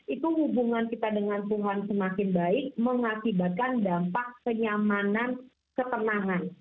itu hubungan kita dengan tuhan semakin baik mengakibatkan dampak kenyamanan ketenangan